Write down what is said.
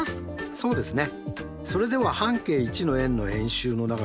そうですね。